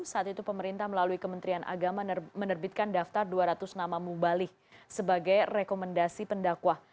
saat itu pemerintah melalui kementerian agama menerbitkan daftar dua ratus nama mubalik sebagai rekomendasi pendakwah